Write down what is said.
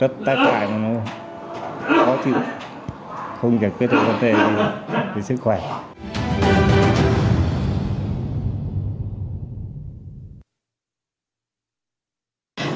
rất tay phải mà nó khó chịu không thể kết hợp vấn đề về sức khỏe